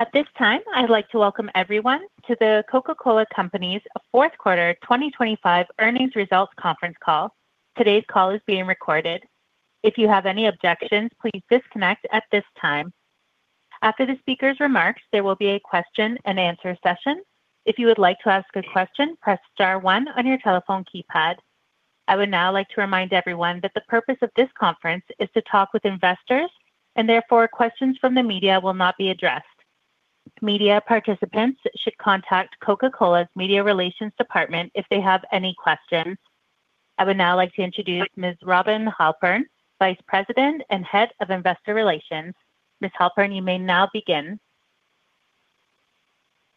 At this time, I'd like to welcome everyone to The Coca-Cola Company's fourth quarter 2025 earnings results conference call. Today's call is being recorded. If you have any objections, please disconnect at this time. After the speaker's remarks, there will be a question and answer session. If you would like to ask a question, press star one on your telephone keypad. I would now like to remind everyone that the purpose of this conference is to talk with investors, and therefore, questions from the media will not be addressed. Media participants should contact Coca-Cola's media relations department if they have any questions. I would now like to introduce Ms. Robin Halpern, Vice President and Head of Investor Relations. Ms. Halpern, you may now begin.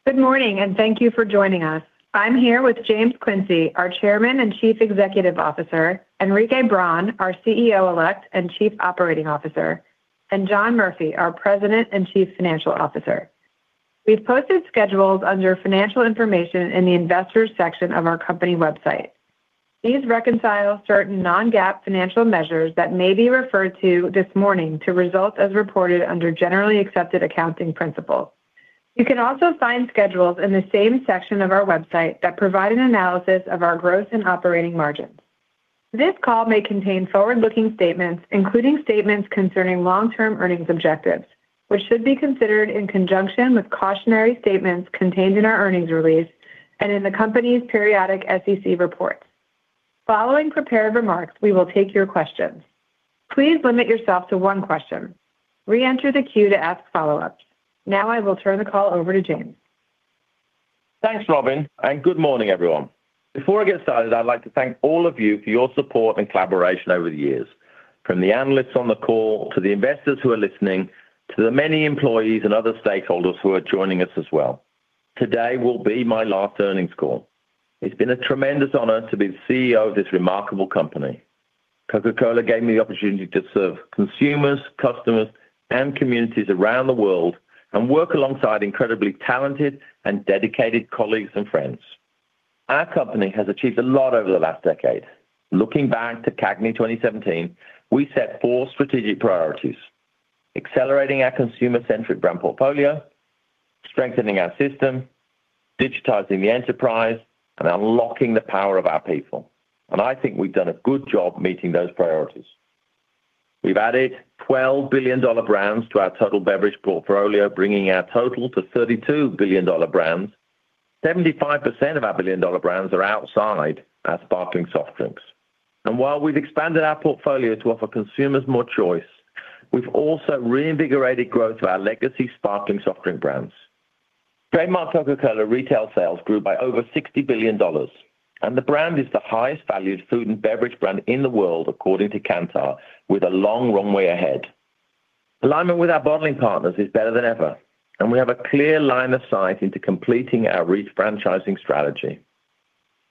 Good morning, and thank you for joining us. I'm here with James Quincey, our Chairman and Chief Executive Officer, Henrique Braun, our CEO-elect and Chief Operating Officer, and John Murphy, our President and Chief Financial Officer. We've posted schedules under financial information in the investors section of our company website. These reconcile certain non-GAAP financial measures that may be referred to this morning to results as reported under generally accepted accounting principles. You can also find schedules in the same section of our website that provide an analysis of our gross and operating margins. This call may contain forward-looking statements, including statements concerning long-term earnings objectives, which should be considered in conjunction with cautionary statements contained in our earnings release and in the company's periodic SEC reports. Following prepared remarks, we will take your questions. Please limit yourself to one question. Reenter the queue to ask follow-ups. Now I will turn the call over to James. Thanks, Robin, and good morning, everyone. Before I get started, I'd like to thank all of you for your support and collaboration over the years, from the analysts on the call, to the investors who are listening, to the many employees and other stakeholders who are joining us as well. Today will be my last earnings call. It's been a tremendous honor to be the CEO of this remarkable company. Coca-Cola gave me the opportunity to serve consumers, customers, and communities around the world and work alongside incredibly talented and dedicated colleagues and friends. Our company has achieved a lot over the last decade. Looking back to CAGNY 2017, we set four strategic priorities: accelerating our consumer-centric brand portfolio, strengthening our system, digitizing the enterprise, and unlocking the power of our people, and I think we've done a good job meeting those priorities. We've added 12 billion-dollar brands to our total beverage portfolio, bringing our total to 32 billion-dollar brands. 75% of our billion-dollar brands are outside our sparkling soft drinks. And while we've expanded our portfolio to offer consumers more choice, we've also reinvigorated growth to our legacy sparkling soft drink brands. Trademark Coca-Cola retail sales grew by over $60 billion, and the brand is the highest valued food and beverage brand in the world, according to Kantar, with a long runway ahead. Alignment with our bottling partners is better than ever, and we have a clear line of sight into completing our refranchising strategy.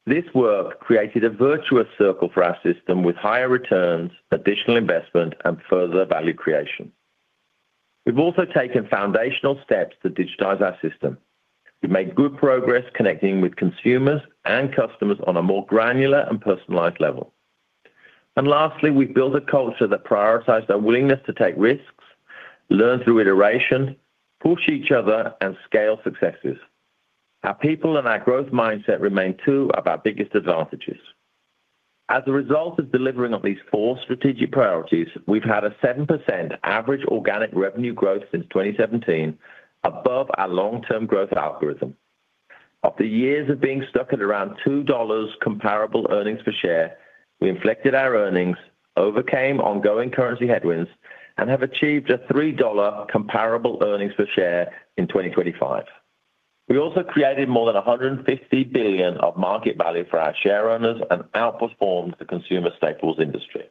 This work created a virtuous circle for our system, with higher returns, additional investment, and further value creation. We've also taken foundational steps to digitize our system. We've made good progress connecting with consumers and customers on a more granular and personalized level. Lastly, we've built a culture that prioritizes our willingness to take risks, learn through iteration, push each other, and scale successes. Our people and our growth mindset remain two of our biggest advantages. As a result of delivering on these four strategic priorities, we've had a 7% average organic revenue growth since 2017, above our long-term growth algorithm. After years of being stuck at around $2 comparable earnings per share, we inflected our earnings, overcame ongoing currency headwinds, and have achieved a $3 comparable earnings per share in 2025. We also created more than $150 billion of market value for our shareowners and outperformed the consumer staples industry.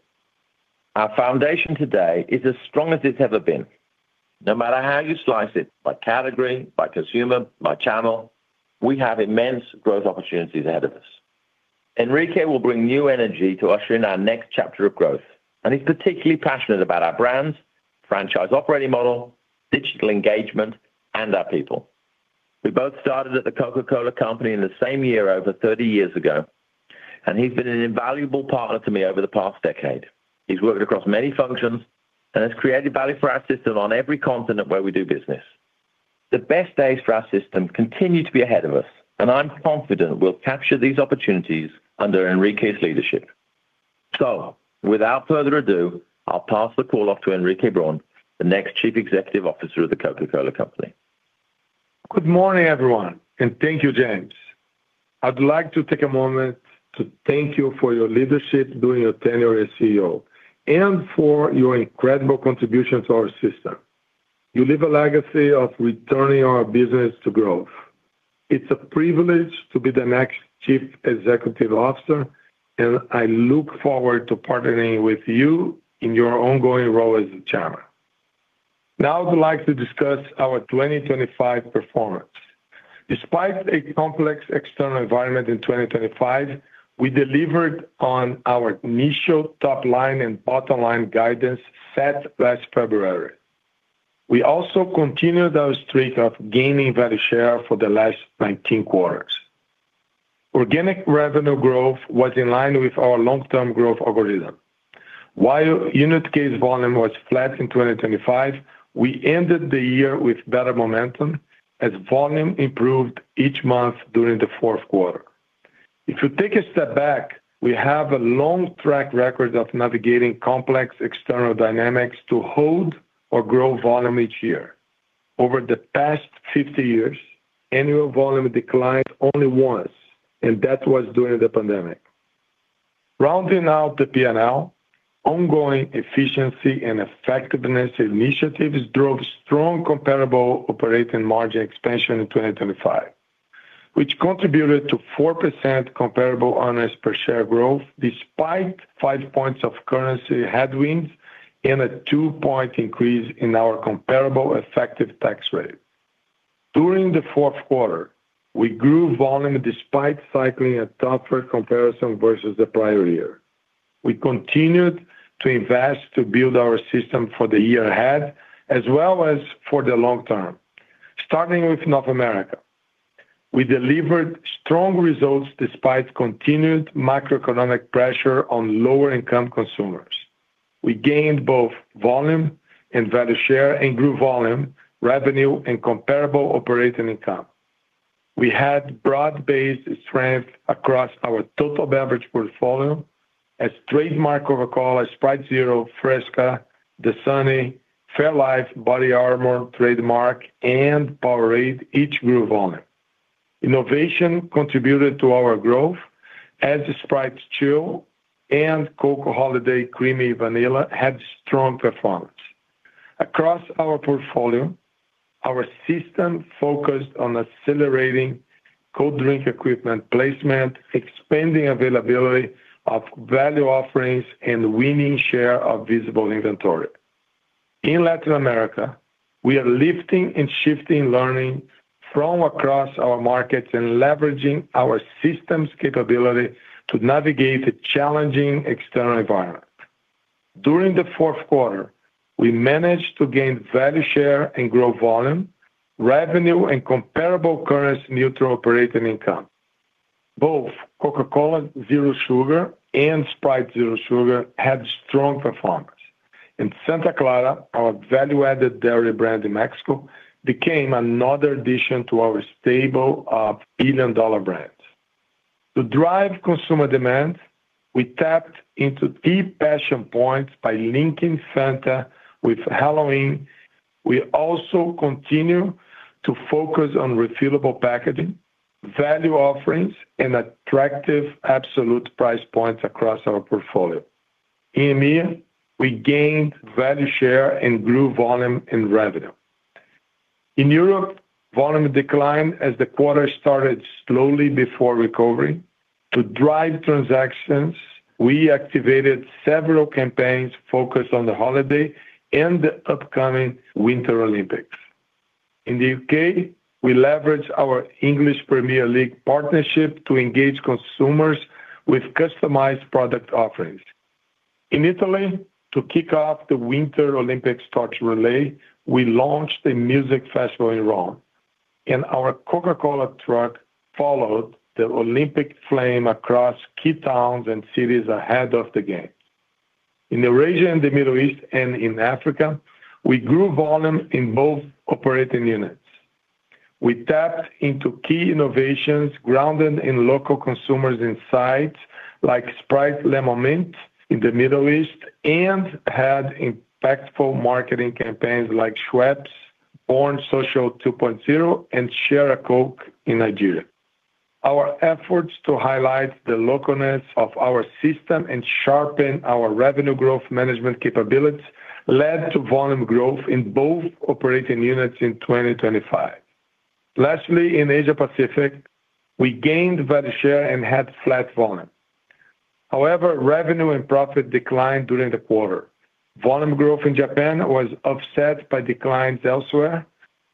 Our foundation today is as strong as it's ever been. No matter how you slice it, by category, by consumer, by channel, we have immense growth opportunities ahead of us. Henrique will bring new energy to usher in our next chapter of growth, and he's particularly passionate about our brands, franchise operating model, digital engagement, and our people. We both started at the Coca-Cola Company in the same year, over 30 years ago, and he's been an invaluable partner to me over the past decade. He's worked across many functions and has created value for our system on every continent where we do business. The best days for our system continue to be ahead of us, and I'm confident we'll capture these opportunities under Henrique's leadership. So without further ado, I'll pass the call off to Henrique Braun, the next Chief Executive Officer of the Coca-Cola Company. Good morning, everyone, and thank you, James. I'd like to take a moment to thank you for your leadership during your tenure as CEO and for your incredible contribution to our system. You leave a legacy of returning our business to growth. It's a privilege to be the next Chief Executive Officer, and I look forward to partnering with you in your ongoing role as the Chairman. Now, I would like to discuss our 2025 performance. Despite a complex external environment in 2025, we delivered on our initial top-line and bottom-line guidance set last February. We also continued our streak of gaining value share for the last 19 quarters.... Organic revenue growth was in line with our long-term growth algorithm. While unit case volume was flat in 2025, we ended the year with better momentum as volume improved each month during the fourth quarter. If you take a step back, we have a long track record of navigating complex external dynamics to hold or grow volume each year. Over the past 50 years, annual volume declined only once, and that was during the pandemic. Rounding out the P&L, ongoing efficiency and effectiveness initiatives drove strong comparable operating margin expansion in 2025, which contributed to 4% comparable earnings per share growth, despite 5 points of currency headwinds and a 2-point increase in our comparable effective tax rate. During the fourth quarter, we grew volume despite cycling a tougher comparison versus the prior year. We continued to invest to build our system for the year ahead, as well as for the long term. Starting with North America, we delivered strong results despite continued macroeconomic pressure on lower-income consumers. We gained both volume and value share and grew volume, revenue, and comparable operating income. We had broad-based strength across our total beverage portfolio as Trademark Coca-Cola, Sprite Zero, Fresca, Dasani, fairlife, BODYARMOR trademark, and Powerade, each grew volume. Innovation contributed to our growth as Sprite Chill and Coca-Cola Holiday Creamy Vanilla had strong performance. Across our portfolio, our system focused on accelerating cold drink equipment placement, expanding availability of value offerings, and winning share of visible inventory. In Latin America, we are lifting and shifting, learning from across our markets and leveraging our systems capability to navigate the challenging external environment. During the fourth quarter, we managed to gain value share and grow volume, revenue, and comparable currency neutral operating income. Both Coca-Cola Zero Sugar and Sprite Zero Sugar had strong performance. Santa Clara, our value-added dairy brand in Mexico, became another addition to our stable of billion-dollar brands. To drive consumer demand, we tapped into key passion points by linking Fanta with Halloween. We also continue to focus on refillable packaging, value offerings, and attractive absolute price points across our portfolio. EMEA, we gained value share and grew volume and revenue. In Europe, volume declined as the quarter started slowly before recovering. To drive transactions, we activated several campaigns focused on the holiday and the upcoming Winter Olympics. In the UK, we leveraged our English Premier League partnership to engage consumers with customized product offerings. In Italy, to kick off the Winter Olympics torch relay, we launched a music festival in Rome, and our Coca-Cola truck followed the Olympic flame across key towns and cities ahead of the game. In Euro and the Middle East and in Africa, we grew volume in both operating units. We tapped into key innovations grounded in local consumers' insights, like Sprite Lemon Mint in the Middle East, and had impactful marketing campaigns like Schweppes, Born Social 2.0, and Share a Coke in Nigeria. Our efforts to highlight the localness of our system and sharpen our revenue growth management capabilities led to volume growth in both operating units in 2025. Lastly, in Asia Pacific, we gained value share and had flat volume. However, revenue and profit declined during the quarter. Volume growth in Japan was offset by declines elsewhere,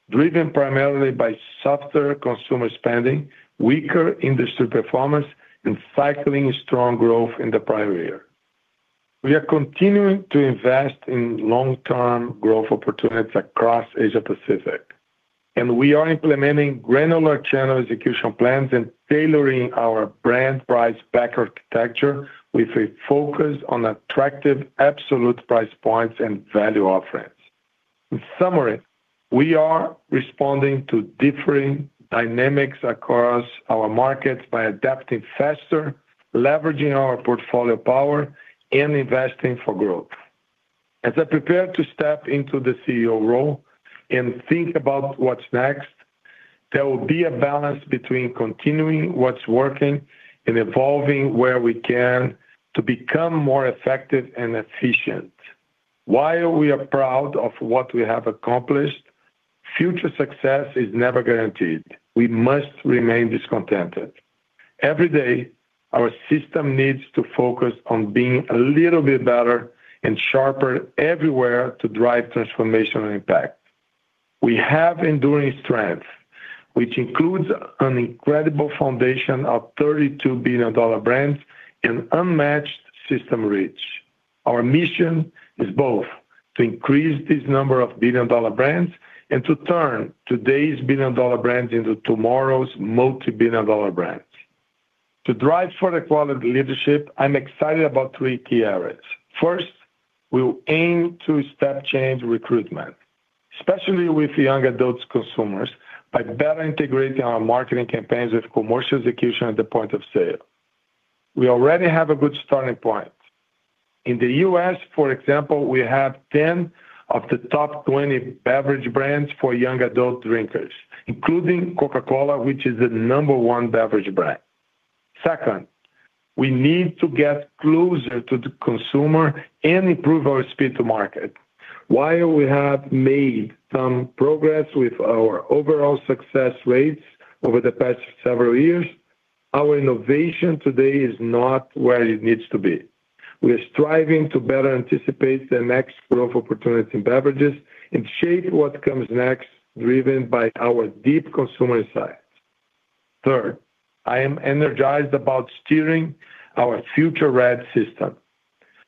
driven primarily by softer consumer spending, weaker industry performance, and cycling strong growth in the prior year. We are continuing to invest in long-term growth opportunities across Asia Pacific, and we are implementing granular channel execution plans and tailoring our brand price back architecture with a focus on attractive absolute price points and value offerings. In summary, we are responding to differing dynamics across our markets by adapting faster, leveraging our portfolio power, and investing for growth. As I prepare to step into the CEO role and think about what's next, there will be a balance between continuing what's working and evolving where we can to become more effective and efficient. While we are proud of what we have accomplished, future success is never guaranteed. We must remain discontented. Every day, our system needs to focus on being a little bit better and sharper everywhere to drive transformational impact. We have enduring strength, which includes an incredible foundation of 32 billion-dollar brands and unmatched system reach. Our mission is both to increase this number of billion-dollar brands and to turn today's billion-dollar brands into tomorrow's multi-billion-dollar brands. To drive further quality leadership, I'm excited about three key areas. First, we'll aim to step change recruitment, especially with young adult consumers, by better integrating our marketing campaigns with commercial execution at the point of sale. We already have a good starting point. In the U.S., for example, we have 10 of the top 20 beverage brands for young adult drinkers, including Coca-Cola, which is the number one beverage brand. Second, we need to get closer to the consumer and improve our speed to market. While we have made some progress with our overall success rates over the past several years, our innovation today is not where it needs to be. We are striving to better anticipate the next growth opportunity in beverages and shape what comes next, driven by our deep consumer insights. Third, I am energized about steering our future ad system.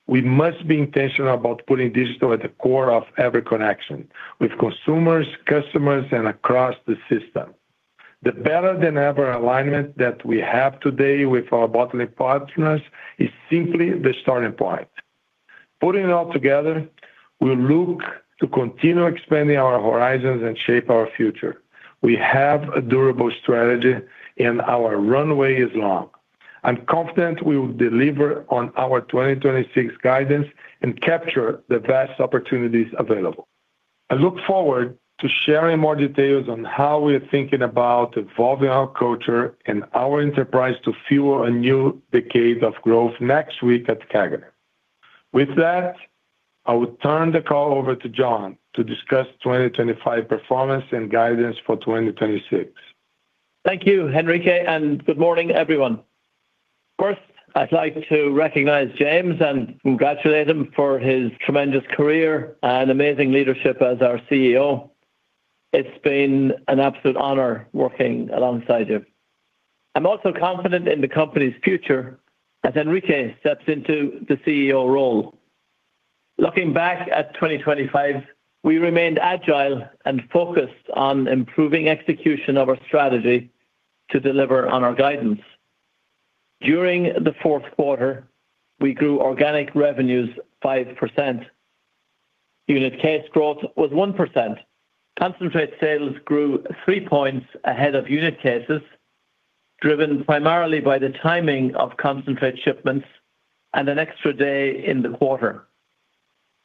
We must be intentional about putting digital at the core of every connection with consumers, customers, and across the system. The better-than-ever alignment that we have today with our bottling partners is simply the starting point. Putting it all together, we look to continue expanding our horizons and shape our future. We have a durable strategy, and our runway is long. I'm confident we will deliver on our 2026 guidance and capture the best opportunities available. I look forward to sharing more details on how we are thinking about evolving our culture and our enterprise to fuel a new decade of growth next week at CAGNY. With that, I will turn the call over to John to discuss 2025 performance and guidance for 2026. Thank you, Henrique, and good morning, everyone. First, I'd like to recognize James and congratulate him for his tremendous career and amazing leadership as our CEO. It's been an absolute honor working alongside you. I'm also confident in the company's future as Henrique steps into the CEO role. Looking back at 2025, we remained agile and focused on improving execution of our strategy to deliver on our guidance. During the fourth quarter, we grew organic revenues 5%. Unit case growth was 1%. Concentrate sales grew three points ahead of unit cases, driven primarily by the timing of concentrate shipments and an extra day in the quarter.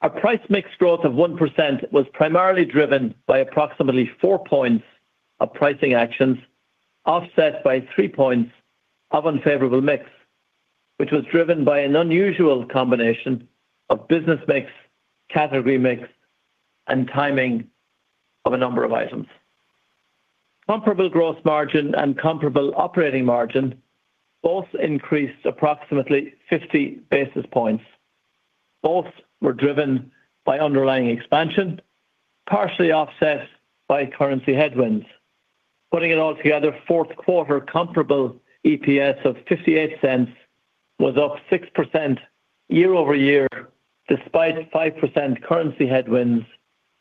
Our price mix growth of 1% was primarily driven by approximately 4 points of pricing actions, offset by 3 points of unfavorable mix, which was driven by an unusual combination of business mix, category mix, and timing of a number of items. Comparable gross margin and comparable operating margin both increased approximately 50 basis points. Both were driven by underlying expansion, partially offset by currency headwinds. Putting it all together, fourth quarter comparable EPS of $0.58 was up 6% year-over-year, despite 5% currency headwinds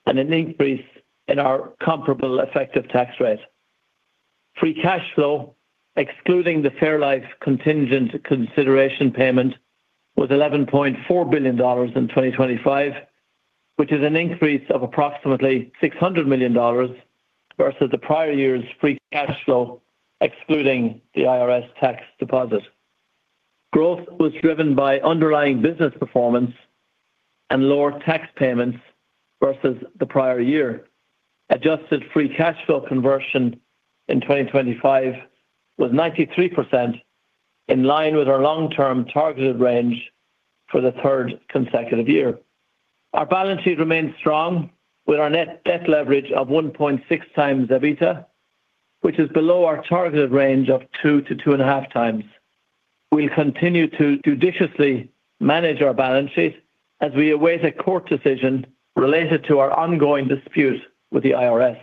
and an increase in our comparable effective tax rate. Free cash flow, excluding the fairlife contingent consideration payment, was $11.4 billion in 2025, which is an increase of approximately $600 million versus the prior year's free cash flow, excluding the IRS tax deposit. Growth was driven by underlying business performance and lower tax payments versus the prior year. Adjusted free cash flow conversion in 2025 was 93%, in line with our long-term targeted range for the third consecutive year. Our balance sheet remains strong, with our net debt leverage of 1.6 times EBITDA, which is below our targeted range of 2-2.5 times. We'll continue to judiciously manage our balance sheet as we await a court decision related to our ongoing dispute with the IRS.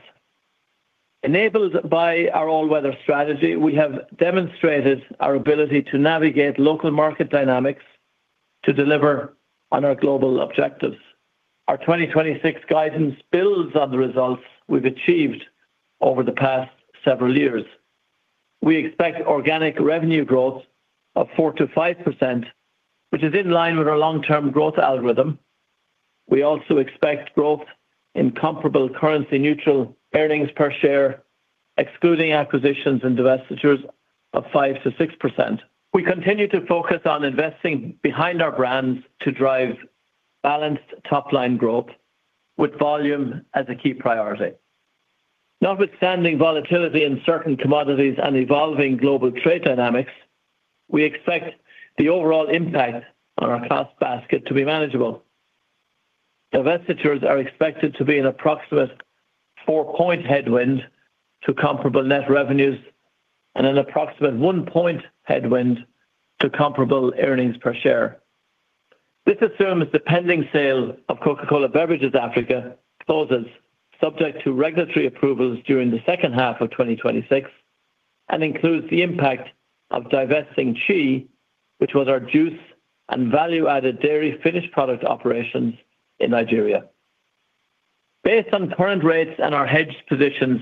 Enabled by our all-weather strategy, we have demonstrated our ability to navigate local market dynamics to deliver on our global objectives. Our 2026 guidance builds on the results we've achieved over the past several years. We expect organic revenue growth of 4%-5%, which is in line with our long-term growth algorithm. We also expect growth in comparable currency-neutral earnings per share, excluding acquisitions and divestitures, of 5%-6%. We continue to focus on investing behind our brands to drive balanced top-line growth, with volume as a key priority. Notwithstanding volatility in certain commodities and evolving global trade dynamics, we expect the overall impact on our cost basket to be manageable. Divestitures are expected to be an approximate 4-point headwind to comparable net revenues and an approximate 1-point headwind to comparable earnings per share. This assumes the pending sale of Coca-Cola Beverages Africa closes subject to regulatory approvals during the second half of 2026... and includes the impact of divesting Chi, which was our juice and value-added dairy finished product operations in Nigeria. Based on current rates and our hedged positions,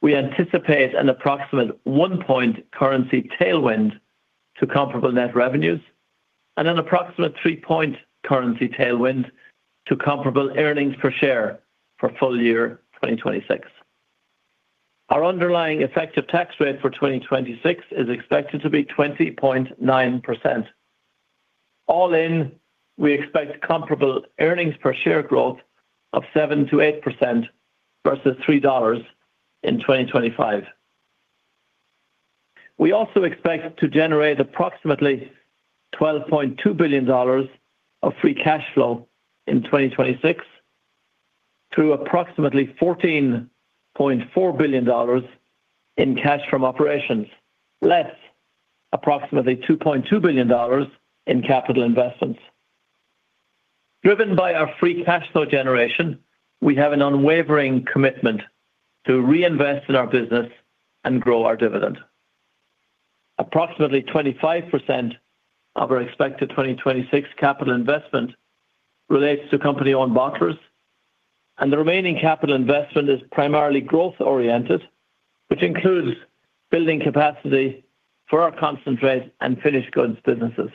we anticipate an approximate 1-point currency tailwind to comparable net revenues and an approximate 3-point currency tailwind to comparable earnings per share for full year 2026. Our underlying effective tax rate for 2026 is expected to be 20.9%. All in, we expect comparable earnings per share growth of 7%-8% versus $3 in 2025. We also expect to generate approximately $12.2 billion of free cash flow in 2026, through approximately $14.4 billion in cash from operations, less approximately $2.2 billion in capital investments. Driven by our free cash flow generation, we have an unwavering commitment to reinvest in our business and grow our dividend. Approximately 25% of our expected 2026 capital investment relates to company-owned bottlers, and the remaining capital investment is primarily growth-oriented, which includes building capacity for our concentrate and finished goods businesses.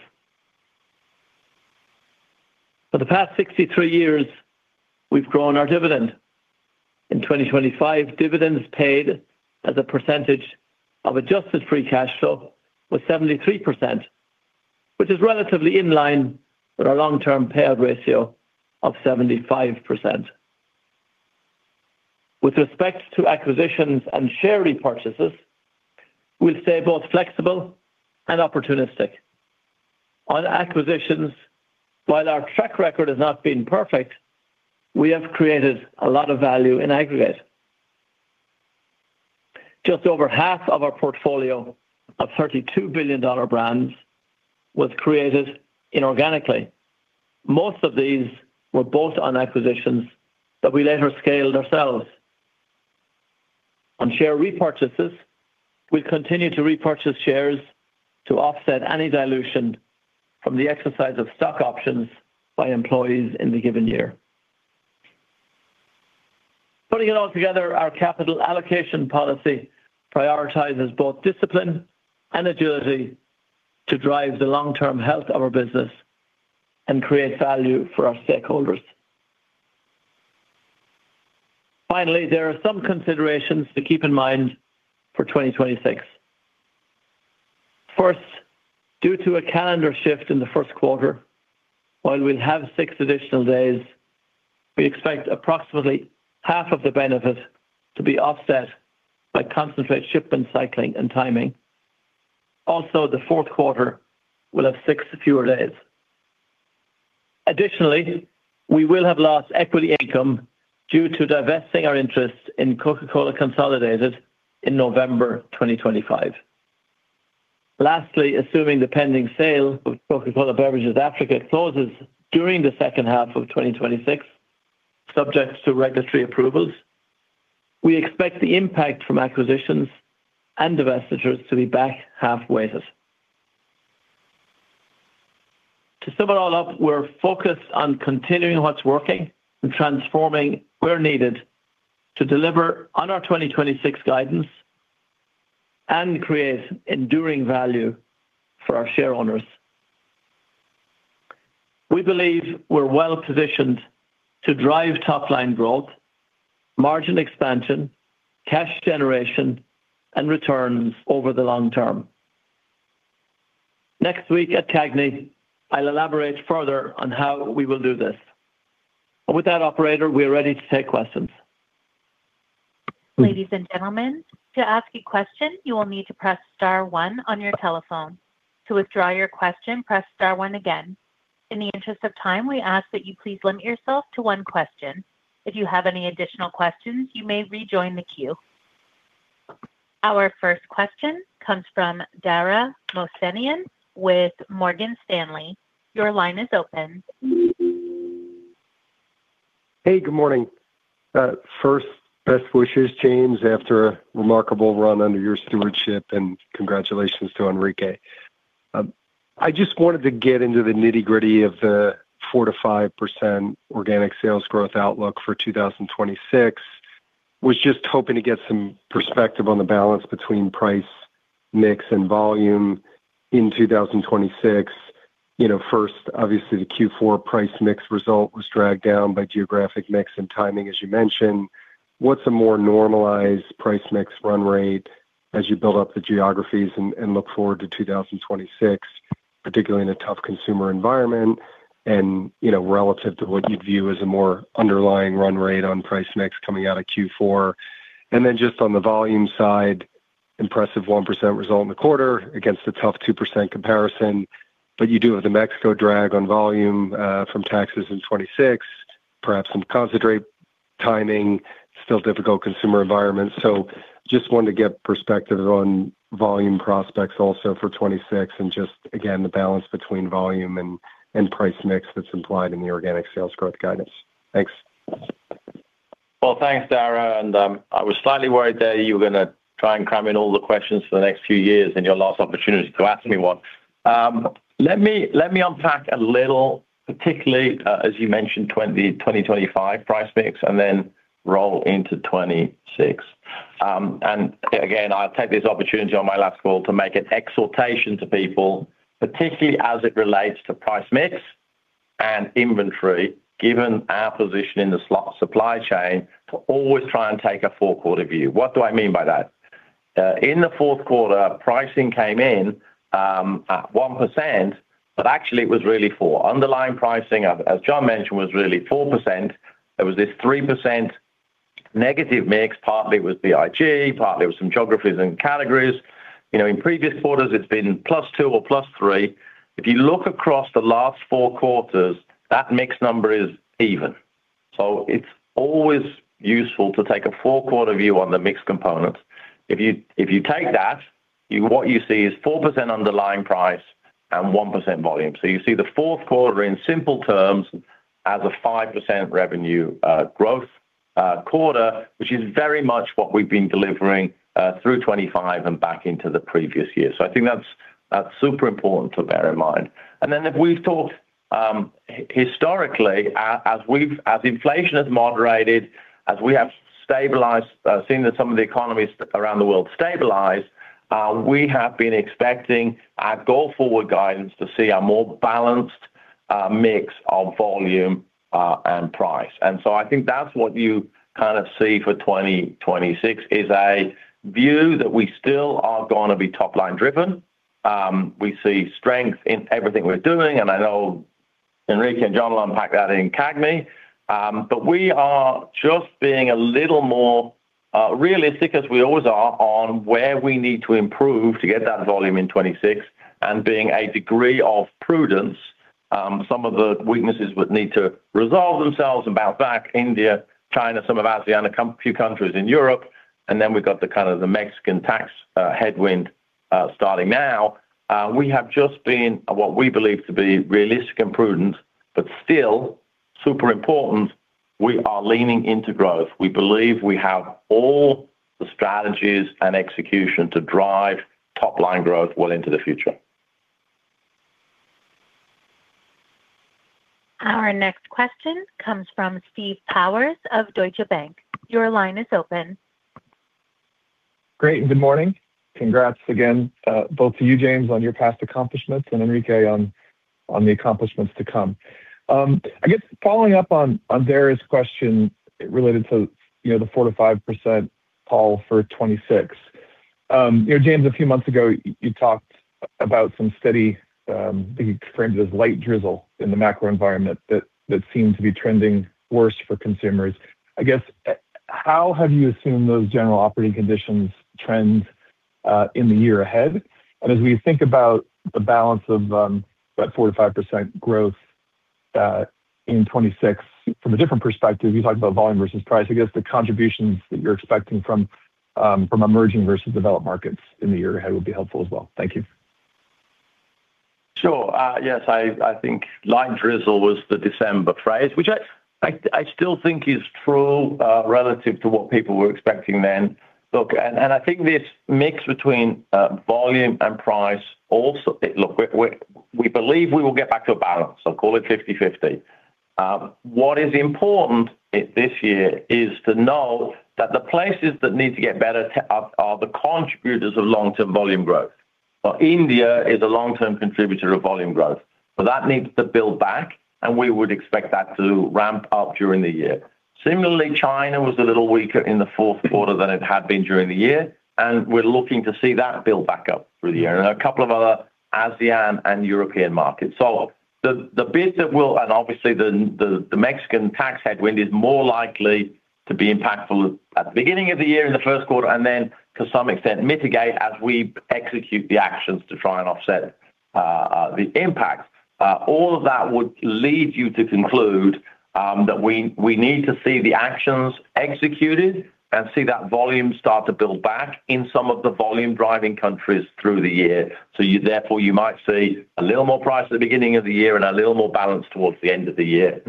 For the past 63 years, we've grown our dividend. In 2025, dividends paid as a percentage of adjusted free cash flow was 73%, which is relatively in line with our long-term payout ratio of 75%. With respect to acquisitions and share repurchases, we'll stay both flexible and opportunistic. On acquisitions, while our track record has not been perfect, we have created a lot of value in aggregate. Just over half of our portfolio of 32 billion-dollar brands was created inorganically. Most of these were both on acquisitions that we later scaled ourselves. On share repurchases, we continue to repurchase shares to offset any dilution from the exercise of stock options by employees in the given year. Putting it all together, our capital allocation policy prioritizes both discipline and agility to drive the long-term health of our business and create value for our stakeholders. Finally, there are some considerations to keep in mind for 2026. First, due to a calendar shift in the first quarter, while we'll have 6 additional days, we expect approximately half of the benefit to be offset by concentrate shipment, cycling, and timing. Also, the fourth quarter will have 6 fewer days. Additionally, we will have lost equity income due to divesting our interest in Coca-Cola Consolidated in November 2025. Lastly, assuming the pending sale of Coca-Cola Beverages Africa closes during the second half of 2026, subject to regulatory approvals, we expect the impact from acquisitions and divestitures to be back half weighted. To sum it all up, we're focused on continuing what's working and transforming where needed to deliver on our 2026 guidance and create enduring value for our shareowners. We believe we're well positioned to drive top-line growth, margin expansion, cash generation, and returns over the long term. Next week at CAGNY, I'll elaborate further on how we will do this. And with that, operator, we are ready to take questions. Ladies and gentlemen, to ask a question, you will need to press star one on your telephone. To withdraw your question, press star one again. In the interest of time, we ask that you please limit yourself to one question. If you have any additional questions, you may rejoin the queue. Our first question comes from Dara Mohsenian with Morgan Stanley. Your line is open. Hey, good morning. First, best wishes, James, after a remarkable run under your stewardship and congratulations to Henrique. I just wanted to get into the nitty-gritty of the 4%-5% organic sales growth outlook for 2026. Was just hoping to get some perspective on the balance between price, mix, and volume in 2026. You know, first, obviously, the Q4 price mix result was dragged down by geographic mix and timing, as you mentioned. What's a more normalized price mix run rate as you build up the geographies and look forward to 2026, particularly in a tough consumer environment and, you know, relative to what you'd view as a more underlying run rate on price mix coming out of Q4? And then just on the volume side, impressive 1% result in the quarter against a tough 2% comparison. But you do have the Mexico drag on volume from taxes in 2026, perhaps some concentrate timing, still difficult consumer environment. So just wanted to get perspective on volume prospects also for 2026 and just again, the balance between volume and, and price mix that's implied in the organic sales growth guidance. Thanks.... Well, thanks, Dara, and I was slightly worried that you were gonna try and cram in all the questions for the next few years in your last opportunity to ask me one. Let me unpack a little, particularly as you mentioned, 2025 price mix, and then roll into 2026. And again, I'll take this opportunity on my last call to make an exhortation to people, particularly as it relates to price mix and inventory, given our position in the slow supply chain, to always try and take a full quarter view. What do I mean by that? In the fourth quarter, pricing came in at 1%, but actually it was really four. Underlying pricing, as John mentioned, was really 4%. There was this 3% negative mix. Partly it was BIG, partly it was some geographies and categories. You know, in previous quarters, it's been +2 or +3. If you look across the last four quarters, that mix number is even. So it's always useful to take a full quarter view on the mix components. If you take that, what you see is 4% underlying price and 1% volume. So you see the fourth quarter, in simple terms, as a 5% revenue growth quarter, which is very much what we've been delivering through 2025 and back into the previous year. So I think that's super important to bear in mind. And then if we've talked historically, as inflation has moderated, as we have seen that some of the economies around the world stabilize, we have been expecting our go-forward guidance to see a more balanced mix of volume and price. And so I think that's what you kinda see for 2026, is a view that we still are gonna be top-line driven. We see strength in everything we're doing, and I know Henrique and John will unpack that in CAGNY. But we are just being a little more realistic, as we always are, on where we need to improve to get that volume in 2026, and being a degree of prudence, some of the weaknesses would need to resolve themselves and bounce back, India, China, some of ASEAN, a few countries in Europe, and then we've got the kind of the Mexican tax headwind starting now. We have just been, what we believe to be realistic and prudent, but still super important, we are leaning into growth. We believe we have all the strategies and execution to drive top-line growth well into the future. Our next question comes from Steve Powers of Deutsche Bank. Your line is open. Great, and good morning. Congrats again, both to you, James, on your past accomplishments and Henrique on the accomplishments to come. I guess following up on Dara's question related to, you know, the 4%-5% call for 2026. You know, James, a few months ago, you talked about some steady, that you framed as light drizzle in the macro environment, that seemed to be trending worse for consumers. I guess, how have you assumed those general operating conditions trend in the year ahead? And as we think about the balance of that 4%-5% growth in 2026, from a different perspective, you talked about volume versus price, I guess the contributions that you're expecting from emerging versus developed markets in the year ahead would be helpful as well. Thank you. Sure. Yes, I think light drizzle was the December phrase, which I still think is true, relative to what people were expecting then. Look, I think this mix between volume and price also. Look, we believe we will get back to a balance. I'll call it 50/50. What is important this year is to know that the places that need to get better are the contributors of long-term volume growth. India is a long-term contributor of volume growth, so that needs to build back, and we would expect that to ramp up during the year. Similarly, China was a little weaker in the fourth quarter than it had been during the year, and we're looking to see that build back up through the year, and a couple of other ASEAN and European markets. So the bits that will, and obviously, the Mexican tax headwind is more likely to be impactful at the beginning of the year, in the first quarter, and then, to some extent, mitigate as we execute the actions to try and offset the impacts. All of that would lead you to conclude that we need to see the actions executed and see that volume start to build back in some of the volume-driving countries through the year. So you therefore might see a little more price at the beginning of the year and a little more balance towards the end of the year,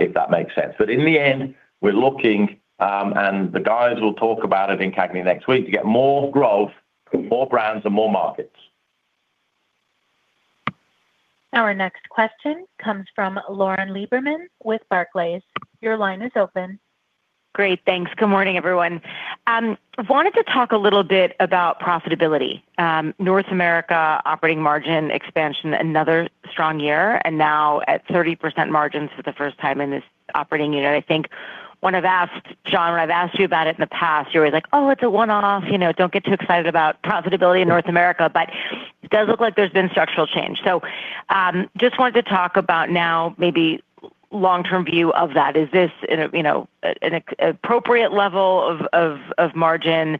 if that makes sense. But in the end, we're looking, and the guys will talk about it in CAGNY next week, to get more growth, more brands, and more markets. Our next question comes from Lauren Lieberman with Barclays. Your line is open. Great, thanks. Good morning, everyone. I wanted to talk a little bit about profitability. North America operating margin expansion, another strong year, and now at 30% margins for the first time in this operating unit. I think when I've asked, John, when I've asked you about it in the past, you're always like, "Oh, it's a one-off, you know, don't get too excited about profitability in North America," but it does look like there's been structural change. So, just wanted to talk about now maybe long-term view of that. Is this in a, you know, an appropriate level of margin?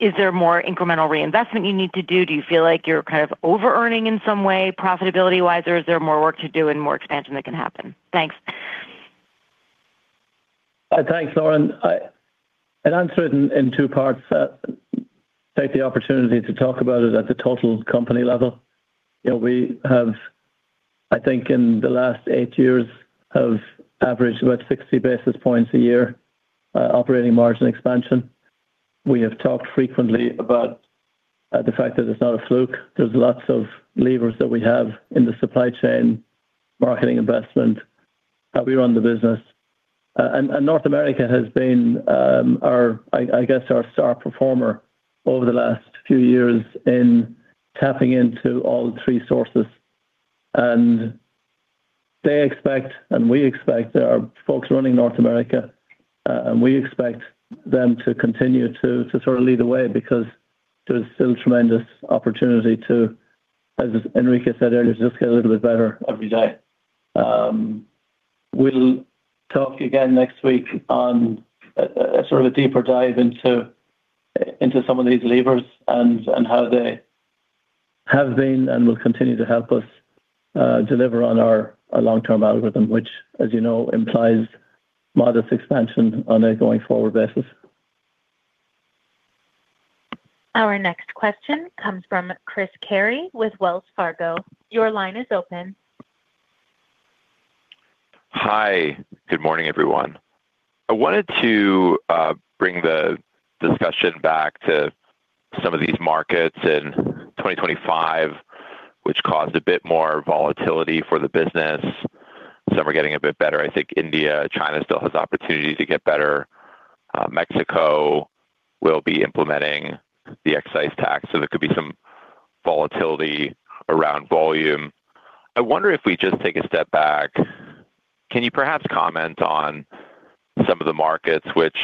Is there more incremental reinvestment you need to do? Do you feel like you're kind of overearning in some way, profitability-wise, or is there more work to do and more expansion that can happen? Thanks. Thanks, Lauren.... And answer it in two parts, take the opportunity to talk about it at the total company level. You know, we have, I think in the last eight years, averaged about 60 basis points a year, operating margin expansion. We have talked frequently about the fact that it's not a fluke. There's lots of levers that we have in the supply chain, marketing investment, how we run the business. And North America has been our, I guess, our star performer over the last few years in tapping into all three sources. And they expect, and we expect there are folks running North America, and we expect them to continue to sort of lead the way because there is still tremendous opportunity to, as Henrique said earlier, just get a little bit better every day. We'll talk again next week on a sort of a deeper dive into some of these levers and how they have been and will continue to help us deliver on our long-term algorithm, which, as you know, implies modest expansion on a going-forward basis. Our next question comes from Chris Carey with Wells Fargo. Your line is open. Hi. Good morning, everyone. I wanted to bring the discussion back to some of these markets in 2025, which caused a bit more volatility for the business. Some are getting a bit better. I think India, China still has opportunities to get better. Mexico will be implementing the excise tax, so there could be some volatility around volume. I wonder if we just take a step back, can you perhaps comment on some of the markets which,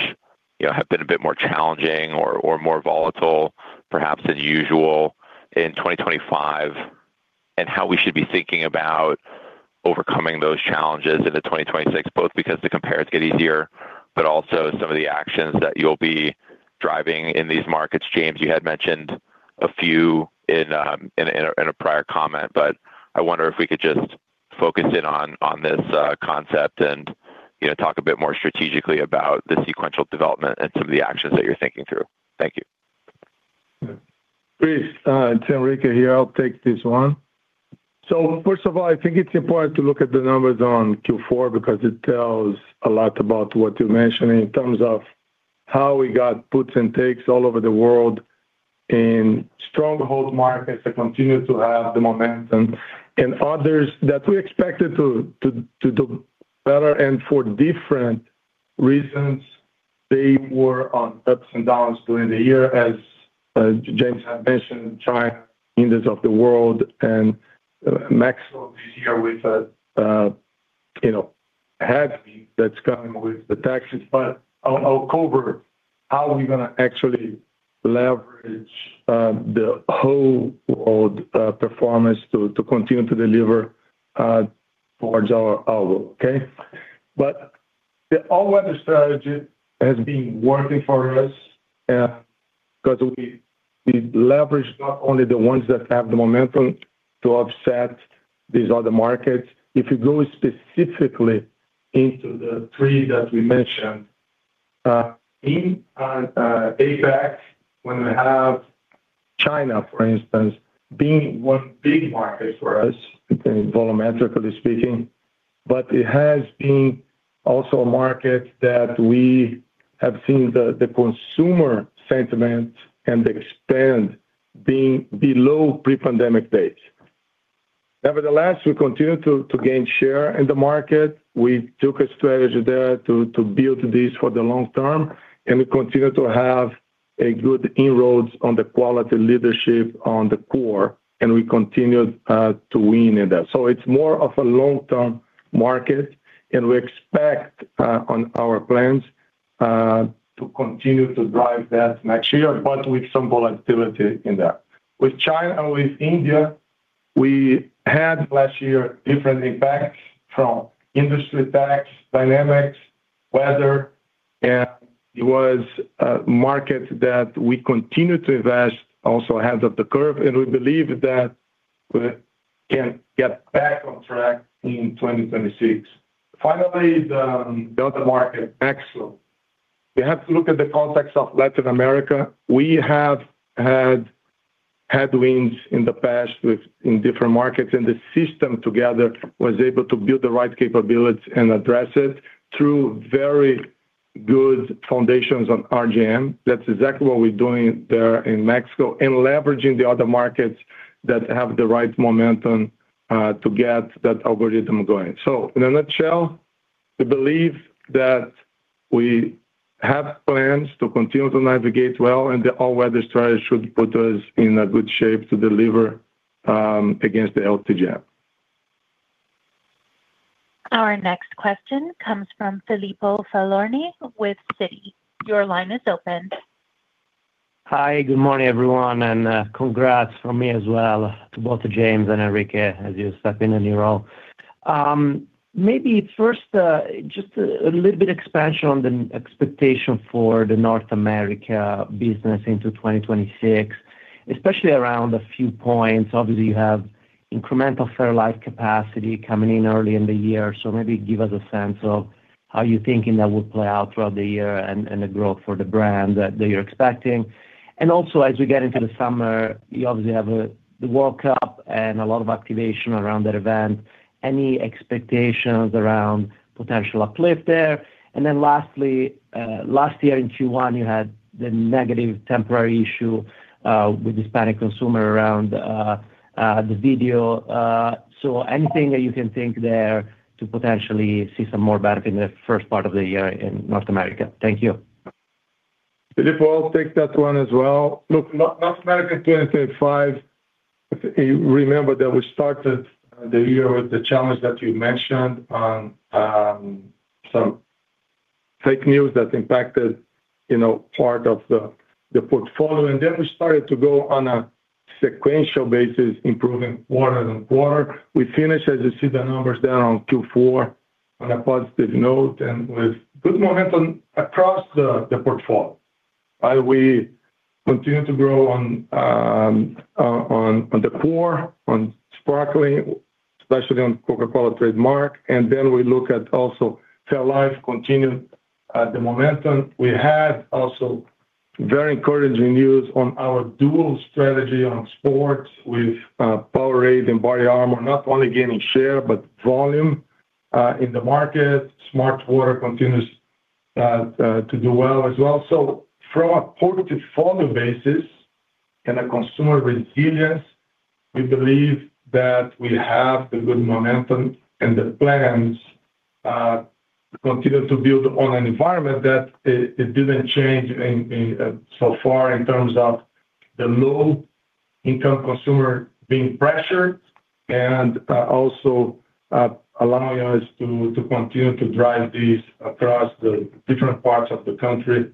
you know, have been a bit more challenging or, or more volatile, perhaps than usual in 2025, and how we should be thinking about overcoming those challenges into 2026, both because the compares get easier, but also some of the actions that you'll be driving in these markets. James, you had mentioned a few in a prior comment, but I wonder if we could just focus in on this concept and, you know, talk a bit more strategically about the sequential development and some of the actions that you're thinking through. Thank you. Chris, it's Henrique here. I'll take this one. So first of all, I think it's important to look at the numbers on Q4 because it tells a lot about what you're mentioning in terms of how we got puts and takes all over the world in strong hold markets that continue to have the momentum. And others that we expected to do better and for different reasons, they were on ups and downs during the year. As James had mentioned, China, India's of the world and Mexico this year with a, you know, heavy that's coming with the taxes. But I'll cover how we're gonna actually leverage the whole world performance to continue to deliver towards our outlook, okay? But the all-weather strategy has been working for us because we leverage not only the ones that have the momentum to offset these other markets. If you go specifically into the three that we mentioned in APAC, when we have China, for instance, being one big market for us, volumetrically speaking, but it has been also a market that we have seen the consumer sentiment and the spend being below pre-pandemic dates. Nevertheless, we continue to gain share in the market. We took a strategy there to build this for the long term, and we continue to have a good inroads on the quality leadership on the core, and we continued to win in that. So it's more of a long-term market, and we expect, on our plans, to continue to drive that next year, but with some volatility in that. With China and with India, we had last year different impacts from industry impacts, dynamics, weather, and it was a market that we continue to invest also ahead of the curve, and we believe that we can get back on track in 2026. Finally, the other market, Mexico. You have to look at the context of Latin America. We have had headwinds in the past with in different markets, and the system together was able to build the right capabilities and address it through very good foundations on RGM. That's exactly what we're doing there in Mexico and leveraging the other markets that have the right momentum, to get that algorithm going. So in a nutshell, we believe that we have plans to continue to navigate well, and the all-weather strategy should put us in a good shape to deliver against the LTGM. Our next question comes from Filippo Falorni with Citi. Your line is open. Hi. Good morning, everyone, and congrats from me as well to both James and Henrique, as you step in a new role. Maybe first, just a little bit expansion on the expectation for the North America business into 2026.... especially around a few points. Obviously, you have incremental fairlife capacity coming in early in the year. So maybe give us a sense of how you're thinking that will play out throughout the year and, and the growth for the brand that you're expecting. And also, as we get into the summer, you obviously have the World Cup and a lot of activation around that event. Any expectations around potential uplift there? And then lastly, last year in Q1, you had the negative temporary issue with Hispanic consumer around the video. So anything that you can think there to potentially see some more benefit in the first part of the year in North America? Thank you. Philip, I'll take that one as well. Look, North America 2025, remember that we started the year with the challenge that you mentioned on some fake news that impacted, you know, part of the portfolio. And then we started to go on a sequential basis, improving quarter-on-quarter. We finished, as you see the numbers down on Q4, on a positive note and with good momentum across the portfolio. We continue to grow on the core, on sparkling, especially on Coca-Cola trademark. And then we look at also fairlife continuing the momentum. We had also very encouraging news on our dual strategy on sports with Powerade and BODYARMOR, not only gaining share, but volume in the market. smartwater continues to do well as well. So from a portfolio basis and a consumer resilience, we believe that we have the good momentum and the plans continue to build on an environment that it didn't change insofar in terms of the low-income consumer being pressured and also allowing us to continue to drive these across the different parts of the country,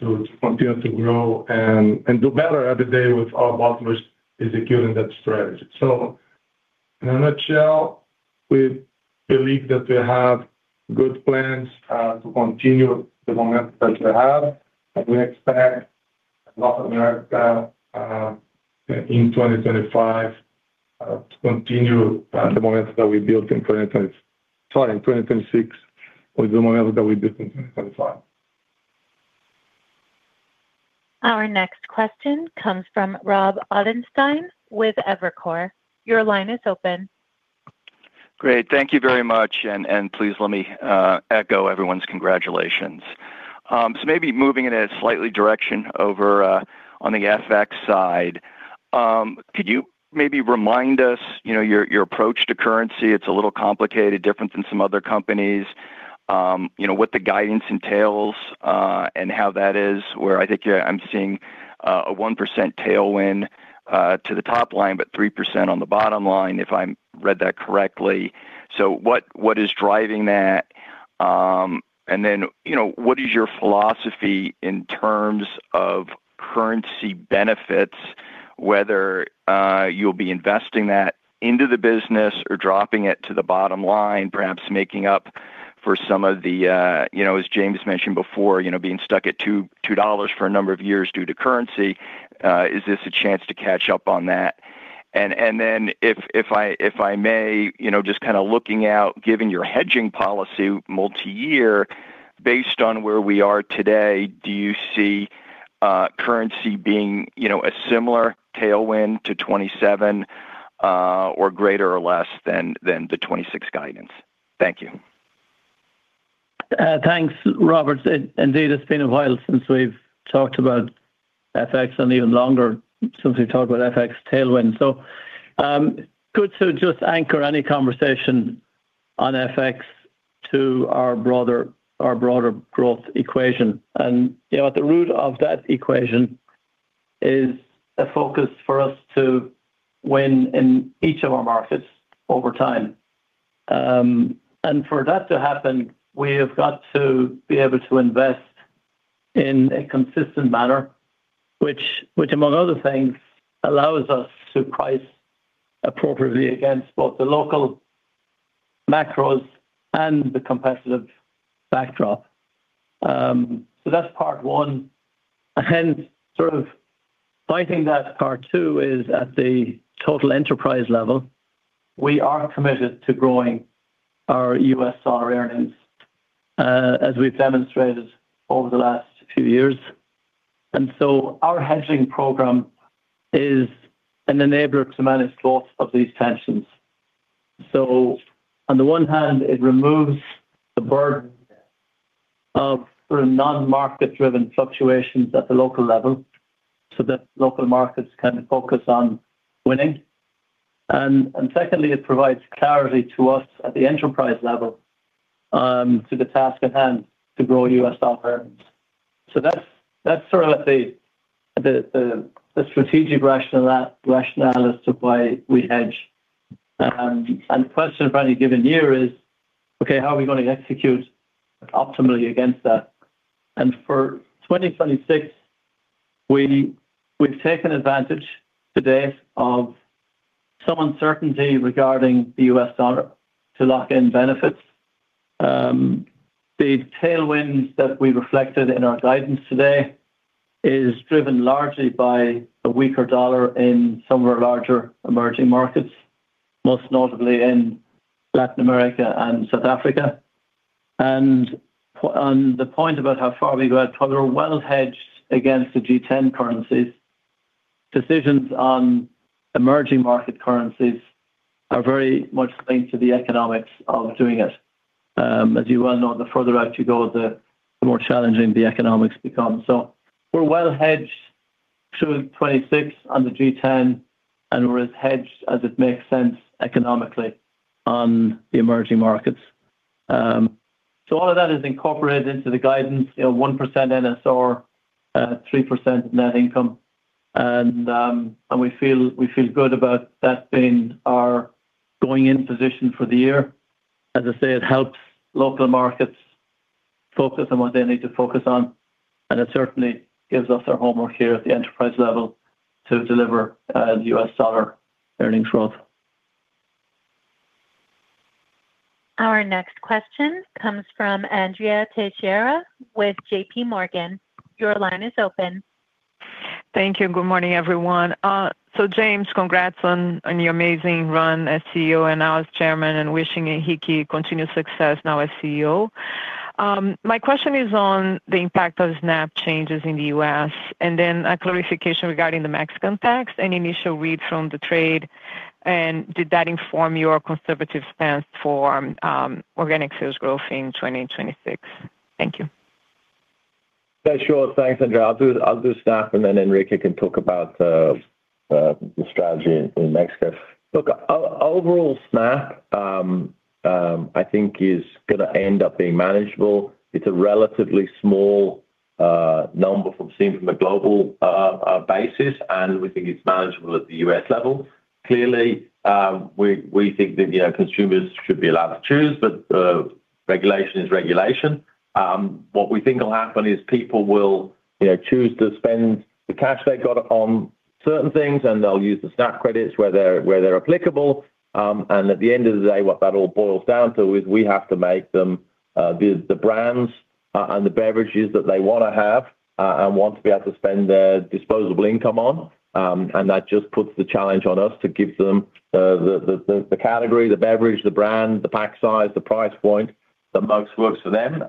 to continue to grow and do better every day with our bottlers executing that strategy. So in a nutshell, we believe that we have good plans to continue the momentum that we have, and we expect North America in 2025 to continue the momentum that we built in 2025... Sorry, in 2026, with the momentum that we built in 2025. Our next question comes from Rob Ottenstein with Evercore. Your line is open. Great. Thank you very much, and please let me echo everyone's congratulations. So maybe moving in a slightly direction over on the FX side, could you maybe remind us, you know, your approach to currency? It's a little complicated, different from some other companies. You know, what the guidance entails, and how that is, where I think I'm seeing a 1% tailwind to the top line, but 3% on the bottom line, if I read that correctly. So what is driving that? And then, you know, what is your philosophy in terms of currency benefits, whether you'll be investing that into the business or dropping it to the bottom line, perhaps making up for some of the, you know, as James mentioned before, you know, being stuck at $2.2 for a number of years due to currency. Is this a chance to catch up on that? And then if I may, you know, just kind of looking out, given your hedging policy multi-year, based on where we are today, do you see currency being, you know, a similar tailwind to 2027, or greater or less than the 2026 guidance? Thank you. Thanks, Robert. Indeed, it's been a while since we've talked about FX and even longer since we've talked about FX tailwind. So, good to just anchor any conversation on FX to our broader growth equation. And, you know, at the root of that equation is a focus for us to win in each of our markets over time. And for that to happen, we have got to be able to invest in a consistent manner, which, among other things, allows us to price appropriately against both the local macros and the competitive backdrop. So that's part one. And sort of finding that part two is at the total enterprise level, we are committed to growing our U.S. dollar earnings, as we've demonstrated over the last few years. And so our hedging program is an enabler to manage both of these tensions. So on the one hand, it removes the burden of non-market-driven fluctuations at the local level, so that local markets can focus on winning. And secondly, it provides clarity to us at the enterprise level to the task at hand, to grow U.S. dollar earnings. So that's sort of the strategic rationale as to why we hedge. And the question of any given year is, okay, how are we going to execute optimally against that? And for 2026, we've taken advantage to date of-... some uncertainty regarding the US dollar to lock in benefits. The tailwinds that we reflected in our guidance today is driven largely by a weaker dollar in some of our larger emerging markets, most notably in Latin America and South Africa. And on the point about how far we go, we're well hedged against the G10 currencies. Decisions on emerging market currencies are very much linked to the economics of doing it. As you well know, the further out you go, the more challenging the economics become. So we're well hedged through 2026 on the G10, and we're as hedged as it makes sense economically on the emerging markets. So all of that is incorporated into the guidance, you know, 1% NSR, 3% net income. We feel, we feel good about that being our going in position for the year. As I say, it helps local markets focus on what they need to focus on, and it certainly gives us our homework here at the enterprise level to deliver U.S. dollar earnings growth. Our next question comes from Andrea Teixeira with J.P. Morgan. Your line is open. Thank you, and good morning, everyone. So James, congrats on, on your amazing run as CEO and now as chairman, and wishing Henrique continued success now as CEO. My question is on the impact of SNAP changes in the US, and then a clarification regarding the Mexican tax. Any initial read from the trade, and did that inform your conservative stance for organic sales growth in 2026? Thank you. Yeah, sure. Thanks, Andrea. I'll do SNAP, and then Henrique can talk about the strategy in Mexico. Look, overall, SNAP, I think is gonna end up being manageable. It's a relatively small number when seen from a global basis, and we think it's manageable at the U.S. level. Clearly, we think that, you know, consumers should be allowed to choose, but regulation is regulation. What we think will happen is people will, you know, choose to spend the cash they got on certain things, and they'll use the SNAP credits where they're applicable. At the end of the day, what that all boils down to is we have to make them the brands and the beverages that they want to have and want to be able to spend their disposable income on. That just puts the challenge on us to give them the category, the beverage, the brand, the pack size, the price point that most works for them.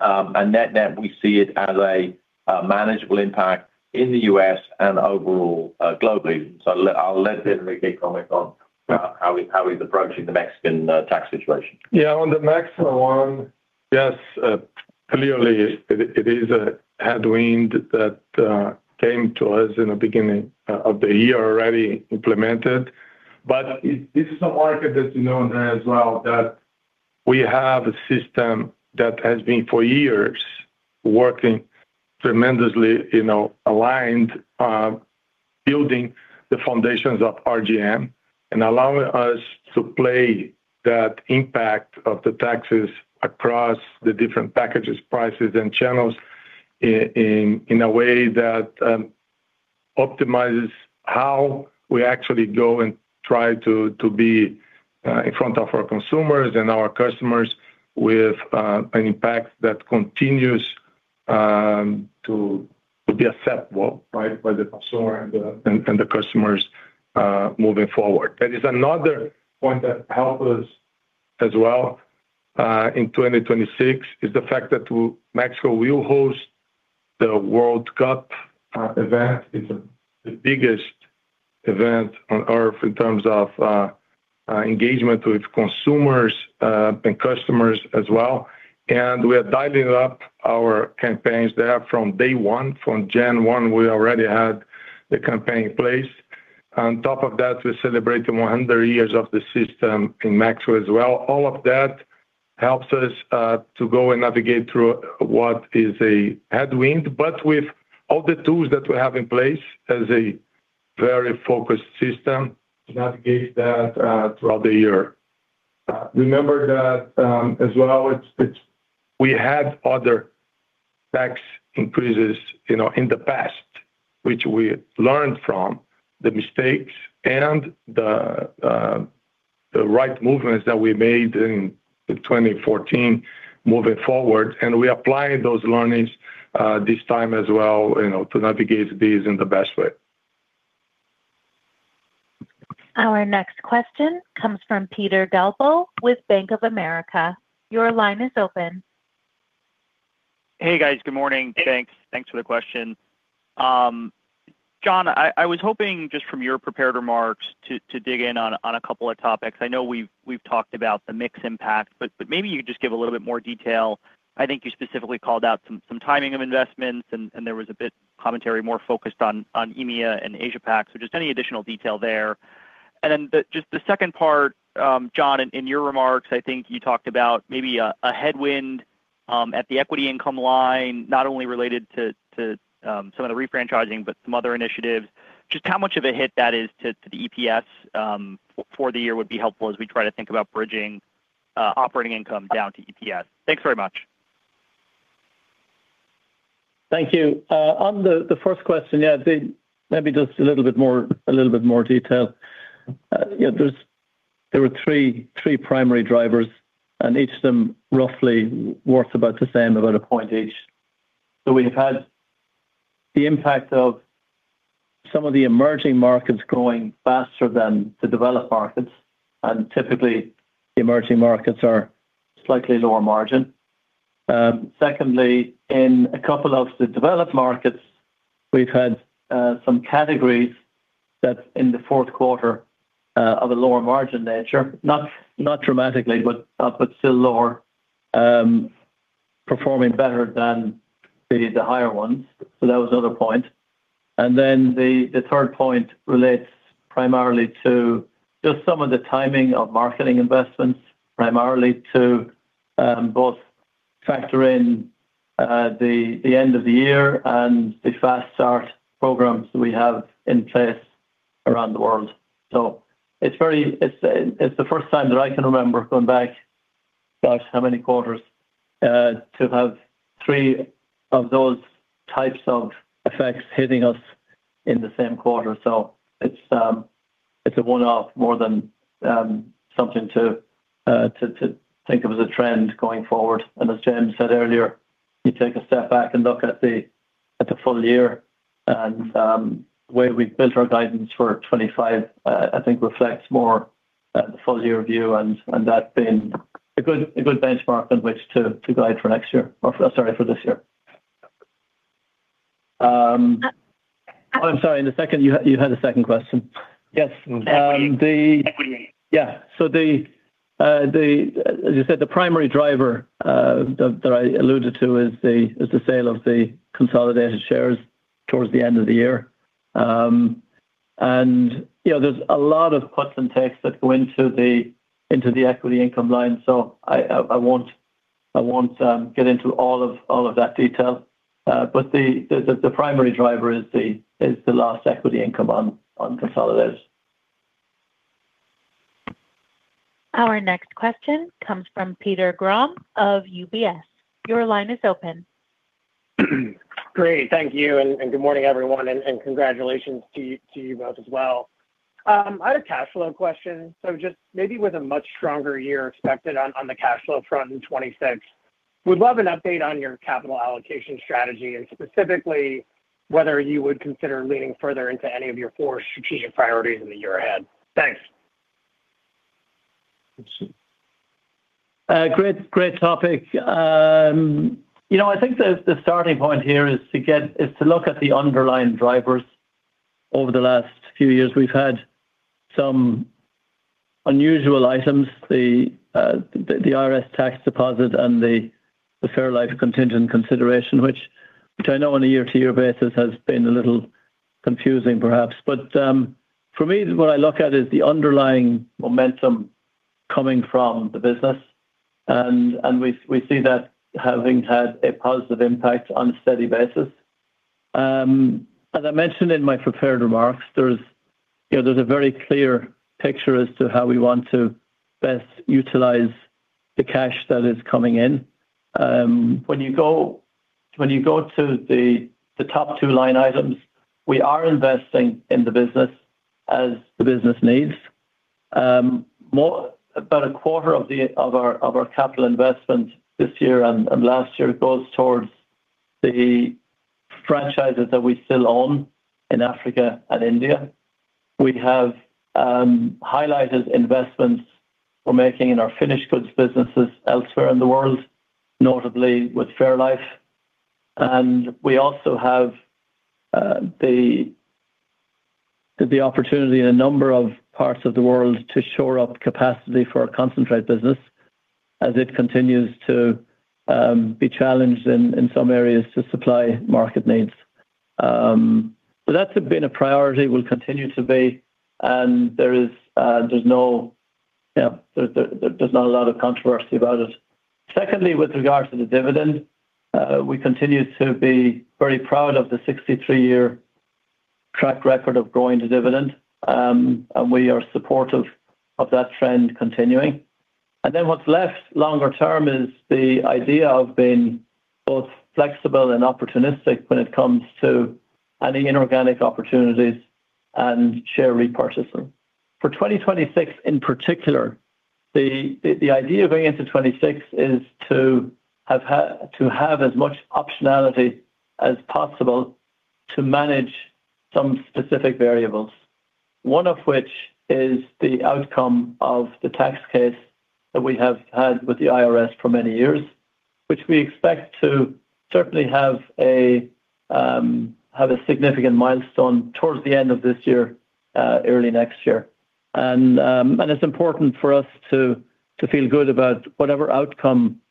Net-net, we see it as a manageable impact in the U.S. and overall globally. So I'll let Henrique comment on how he's approaching the Mexican tax situation. Yeah, on the Mexico one, yes, clearly, it, it is a headwind that came to us in the beginning of the year, already implemented. But it, this is a market that you know as well, that we have a system that has been for years working tremendously, you know, aligned, building the foundations of RGM and allowing us to play that impact of the taxes across the different packages, prices, and channels in a way that optimizes how we actually go and try to be in front of our consumers and our customers with an impact that continues to be acceptable, right, by the consumer and the, and, and the customers moving forward. There is another point that help us as well in 2026, is the fact that Mexico will host the World Cup event. It's the biggest event on Earth in terms of engagement with consumers and customers as well. We are dialing up our campaigns there from day one. From January 1, we already had the campaign in place. On top of that, we're celebrating 100 years of the system in Mexico as well. All of that helps us to go and navigate through what is a headwind, but with all the tools that we have in place, as a very focused system, to navigate that throughout the year. Remember that, as well, it's—we had other tax increases, you know, in the past, which we learned from the mistakes and the right movements that we made in 2014 moving forward, and we applied those learnings, this time as well, you know, to navigate these in the best way. Our next question comes from Peter Galbo with Bank of America. Your line is open. Hey, guys. Good morning. Thanks. Thanks for the question. John, I was hoping, just from your prepared remarks, to dig in on a couple of topics. I know we've talked about the mix impact, but maybe you could just give a little bit more detail. I think you specifically called out some timing of investments, and there was a bit commentary more focused on EMEA and Asia Pac, so just any additional detail there. Just the second part, John, in your remarks, I think you talked about maybe a headwind at the equity income line, not only related to some of the refranchising, but some other initiatives. Just how much of a hit that is to the EPS for the year would be helpful as we try to think about bridging operating income down to EPS. Thanks very much. Thank you. On the first question, yeah, maybe just a little bit more detail. Yeah, there were three primary drivers, and each of them roughly worth about the same, about a point each. So we've had the impact of some of the emerging markets growing faster than the developed markets, and typically, the emerging markets are slightly lower margin. Secondly, in a couple of the developed markets, we've had some categories that in the fourth quarter of a lower margin nature, not dramatically, but still lower performing better than the higher ones. That was another point. Then the third point relates primarily to just some of the timing of marketing investments, primarily to both factor in the end of the year and the fast start programs that we have in place around the world. So it's very, it's the first time that I can remember going back, gosh, how many quarters, to have three of those types of effects hitting us in the same quarter. So it's a one-off more than something to think of as a trend going forward. As James said earlier, you take a step back and look at the full year and where we've built our guidance for 2025, I think reflects more the full year view and that being a good benchmark on which to guide for next year or, sorry, for this year. I'm sorry, in the second - you had a second question? Yes. The- Equity. Yeah. So, as you said, the primary driver that I alluded to is the sale of the Consolidated shares towards the end of the year. And, you know, there's a lot of cuts and takes that go into the equity income line, so I won't get into all of that detail. But the primary driver is the last equity income on Consolidated. Our next question comes from Peter Grom of UBS. Your line is open. Great. Thank you, and good morning, everyone, and congratulations to you both as well. I had a cash flow question, so just maybe with a much stronger year expected on the cash flow front in 2026. Would love an update on your capital allocation strategy, and specifically, whether you would consider leaning further into any of your four strategic priorities in the year ahead. Thanks. Great, great topic. You know, I think the starting point here is to look at the underlying drivers. Over the last few years, we've had some unusual items, the IRS tax deposit and the fairlife contingent consideration, which I know on a year-to-year basis has been a little confusing, perhaps. But for me, what I look at is the underlying momentum coming from the business, and we've we see that having had a positive impact on a steady basis. As I mentioned in my prepared remarks, there's you know, there's a very clear picture as to how we want to best utilize the cash that is coming in. When you go to the top two line items, we are investing in the business as the business needs. More about a quarter of our capital investment this year and last year goes towards the franchises that we still own in Africa and India. We have highlighted investments we're making in our finished goods businesses elsewhere in the world, notably with fairlife. And we also have the opportunity in a number of parts of the world to shore up capacity for our concentrate business as it continues to be challenged in some areas to supply market needs. So that's been a priority, will continue to be, and there's no controversy about it. Secondly, with regards to the dividend, we continue to be very proud of the 63-year track record of growing the dividend, and we are supportive of that trend continuing. And then what's left longer term is the idea of being both flexible and opportunistic when it comes to any inorganic opportunities and share repurchasing. For 2026, in particular, the idea of going into 2026 is to have as much optionality as possible to manage some specific variables. One of which is the outcome of the tax case that we have had with the IRS for many years, which we expect to certainly have a significant milestone towards the end of this year, early next year. And it's important for us to feel good about whatever outcome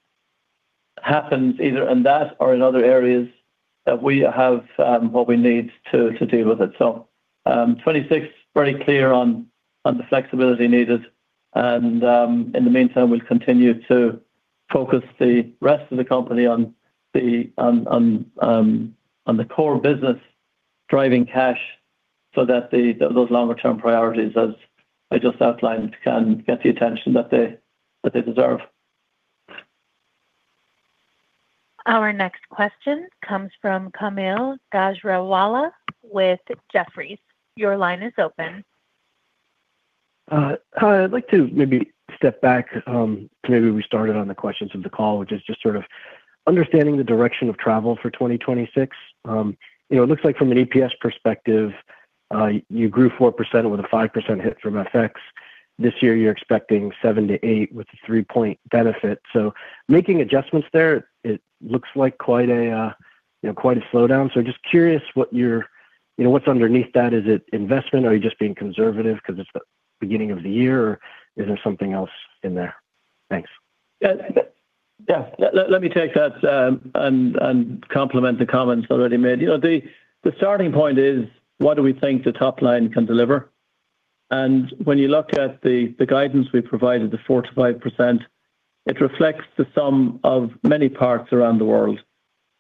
happens, either in that or in other areas, that we have what we need to deal with it. 2026, very clear on the flexibility needed and, in the meantime, we'll continue to focus the rest of the company on the core business, driving cash so that those longer term priorities, as I just outlined, can get the attention that they deserve. Our next question comes from Kaumil Gajrawala with Jefferies. Your line is open. Hi, I'd like to maybe step back to maybe we started on the questions of the call, which is just sort of understanding the direction of travel for 2026. You know, it looks like from an EPS perspective, you grew 4% with a 5% hit from FX. This year, you're expecting 7%-8% with a 3-point benefit. So making adjustments there, it looks like quite a, you know, quite a slowdown. So just curious what your-- you know, what's underneath that? Is it investment? Are you just being conservative because it's the beginning of the year, or is there something else in there? Thanks. Yeah. Yeah, let me take that and complement the comments already made. You know, the starting point is, what do we think the top line can deliver? And when you look at the guidance we provided, the 4%-5%, it reflects the sum of many parts around the world.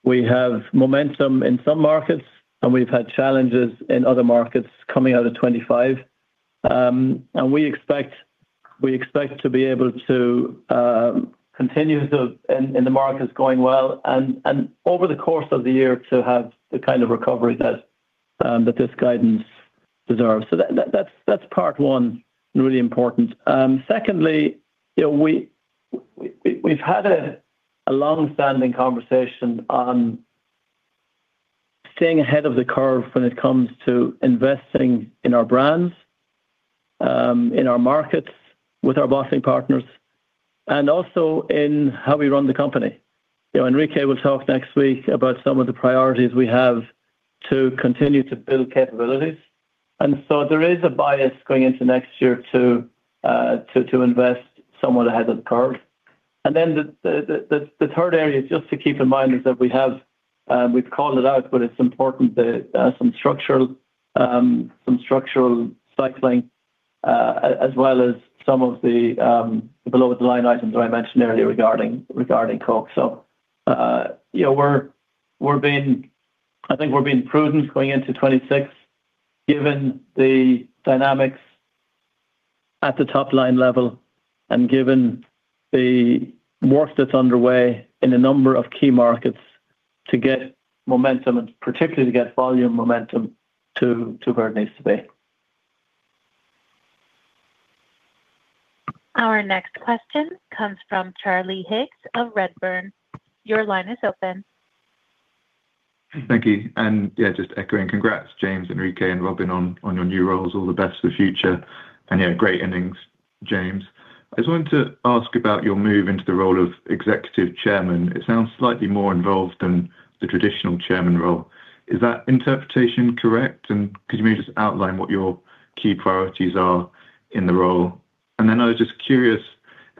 We have momentum in some markets, and we've had challenges in other markets coming out of 2025. And we expect to be able to continue to in the markets going well and over the course of the year, to have the kind of recovery that this guidance deserves. So that, that's part one, really important. Secondly, you know, we've had a long-standing conversation on staying ahead of the curve when it comes to investing in our brands, in our markets with our bottling partners, and also in how we run the company. You know, Henrique will talk next week about some of the priorities we have to continue to build capabilities. And so there is a bias going into next year to invest somewhat ahead of the curve. And then the third area, just to keep in mind, is that we've called it out, but it's important that some structural cycling, as well as some of the below-the-line items that I mentioned earlier regarding Coke. So, you know, we're being prudent going into 2026, given the dynamics at the top line level and given the work that's underway in a number of key markets to get momentum, and particularly to get volume momentum to where it needs to be. Our next question comes from Charlie Higgs of Redburn. Your line is open. Thank you. And, yeah, just echoing. Congrats, James, Henrique, and Robin, on, on your new roles. All the best for the future and, yeah, great innings, James. I just wanted to ask about your move into the role of executive chairman. It sounds slightly more involved than the traditional chairman role. Is that interpretation correct? And could you maybe just outline what your key priorities are in the role? And then I was just curious,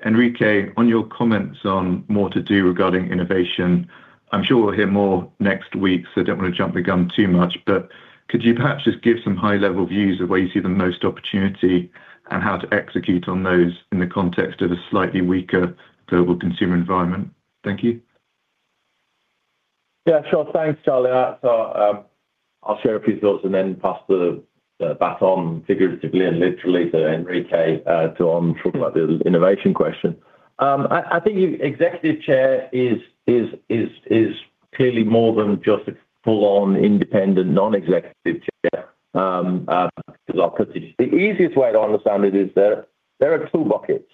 Henrique, on your comments on more to do regarding innovation. I'm sure we'll hear more next week, so I don't want to jump the gun too much, but could you perhaps just give some high-level views of where you see the most opportunity and how to execute on those in the context of a slightly weaker global consumer environment? Thank you. Yeah, sure. Thanks, Charlie. So, I'll share a few thoughts and then pass the bat on, figuratively and literally, to Henrique, to talk about the innovation question. I think executive chair is clearly more than just a full-on, independent, non-executive chair, because obviously the easiest way to understand it is that there are two buckets.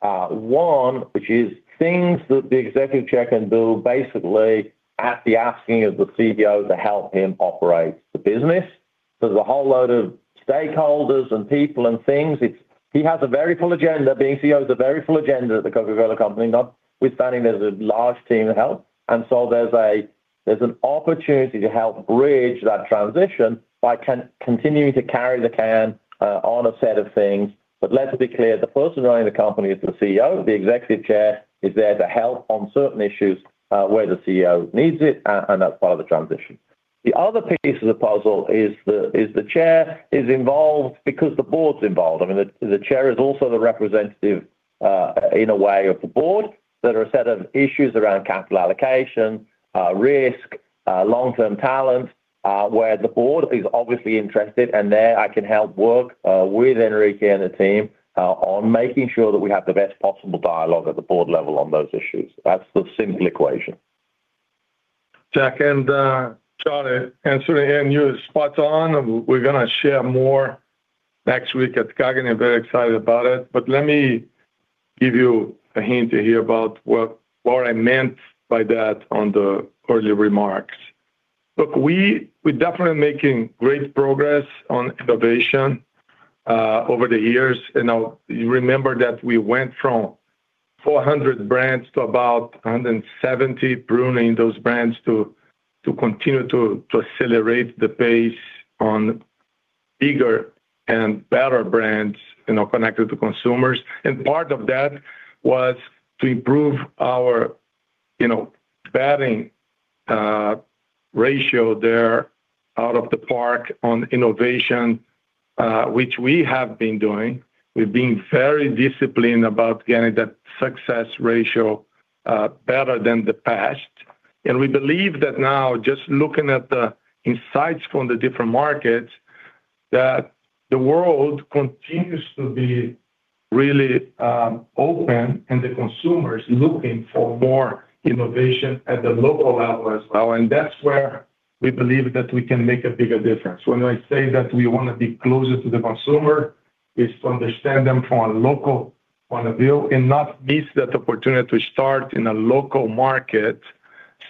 One, which is things that the executive chair can do, basically at the asking of the CEO to help him operate the business. So there's a whole load of stakeholders and people and things. It's. He has a very full agenda. Being CEO is a very full agenda at the Coca-Cola Company, notwithstanding there's a large team to help, and so there's an opportunity to help bridge that transition by continuing to carry the can on a set of things. But let's be clear, the person running the company is the CEO. The executive chair is there to help on certain issues where the CEO needs it, and that's part of the transition. The other piece of the puzzle is the chair is involved because the board's involved. I mean, the chair is also the representative in a way of the board. There are a set of issues around capital allocation, risk, long-term talent, where the board is obviously interested, and there I can help work with Henrique and the team on making sure that we have the best possible dialogue at the board level on those issues. That's the simple equation. Jack and Charlie, your answer is spot on. We're gonna share more next week at CAGNY. I'm very excited about it, but let me give you a hint here about what I meant by that on the earlier remarks. Look, we're definitely making great progress on innovation over the years. And now, you remember that we went from 400 brands to about 170, pruning those brands to continue to accelerate the pace on bigger and better brands, you know, connected to consumers. And part of that was to improve our, you know, batting ratio there out of the park on innovation, which we have been doing. We've been very disciplined about getting that success ratio better than the past. And we believe that now, just looking at the insights from the different markets, that the world continues to be really open, and the consumer is looking for more innovation at the local level as well, and that's where we believe that we can make a bigger difference. When I say that we wanna be closer to the consumer, is to understand them from a local point of view, and not miss that opportunity to start in a local market,